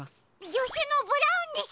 じょしゅのブラウンです！